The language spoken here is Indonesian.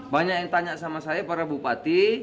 banyak yang tanya sama saya para bupati